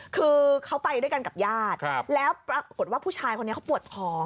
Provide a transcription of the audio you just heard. คือเขาไปด้วยกันกับญาติแล้วปรากฏว่าผู้ชายคนนี้เขาปวดท้อง